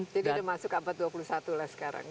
jadi sudah masuk ke empat ratus dua puluh satu lah sekarang